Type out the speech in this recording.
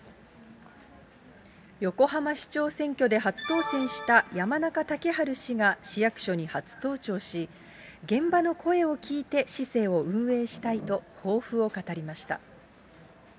横浜市長選挙で初当選した山中竹春氏が市役所に初登庁し、現場の声を聞いて市政を運営したいと、抱負を語りました。